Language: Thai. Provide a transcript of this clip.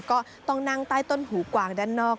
ก็ต้องนั่งใต้ต้นหูกวางด้านนอก